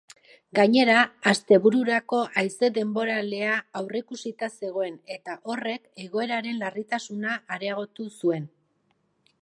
Gainera, astebururako haize denboralea aurreikusita zegoen eta horrek egoeraren larritasuna areagotu zuen.